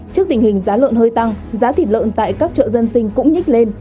trước tình hình giá lợn hơi tăng giá thịt lợn tại các chợ dân sinh cũng nhích lên